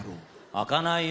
開かないよ。